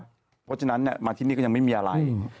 เพราะฉะนั้นมาที่นี่ก็ยังไม่มีอะไร